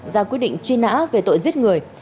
ra quyết định truy nã về tội giết người